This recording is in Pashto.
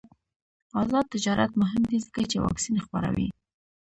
آزاد تجارت مهم دی ځکه چې واکسین خپروي.